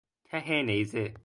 ته نیزه